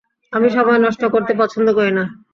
আমি সময় নষ্ট করতে পছন্দ করি না।